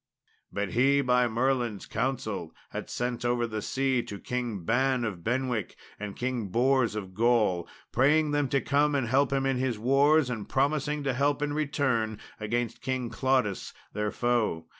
But he by Merlin's counsel had sent over sea to King Ban of Benwick and King Bors of Gaul, praying them to come and help him in his wars, and promising to help in return against King Claudas, their foe.